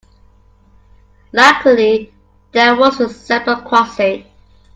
Luckily there was a zebra crossing.